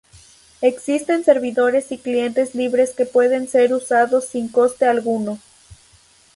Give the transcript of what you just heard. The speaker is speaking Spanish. Existen servidores y clientes libres que pueden ser usados sin coste alguno.